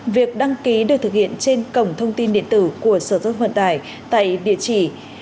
việc đăng ký được thực hiện trên cổng thông tin điện tử của sở giao thông vận tải tại địa chỉ